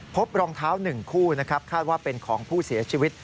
พบรองเท้า๑คู่นะครับคาดว่าเป็นของผู้เสียชีวิต